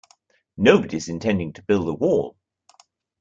Nobody's intending to build a wall.